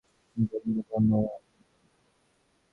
তুমি, বন্ধু।